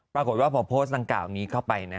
ปรากฏว่าพอโพสต์ดังกล่าวนี้เข้าไปนะ